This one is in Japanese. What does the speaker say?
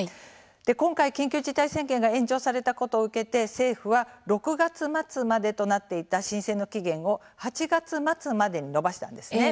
今回、緊急事態宣言が延長されたことを受けて政府は６月末までとなっていた申請の期限を８月末までに延ばしたんです。